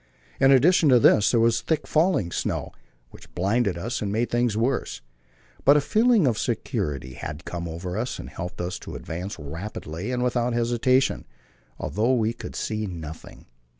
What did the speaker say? In addition to this there was thick falling snow, which blinded us and made things worse, but a feeling of security had come over us and helped us to advance rapidly and without hesitation, although we could see nothing.